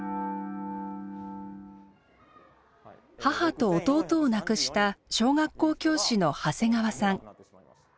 母と弟を亡くした小学校教師の長谷川さん。